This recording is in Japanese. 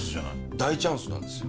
大チャンスなんですよ。